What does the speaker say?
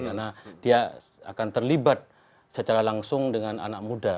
karena dia akan terlibat secara langsung dengan anak muda